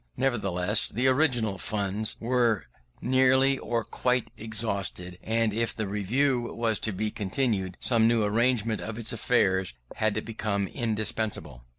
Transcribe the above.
Nevertheless, the original funds were nearly or quite exhausted, and if the Review was to be continued some new arrangement of its affairs had become indispensable.